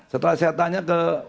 setelah saya tanya ke